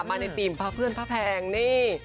มาในธีมพระเพื่อนพระแพงนี่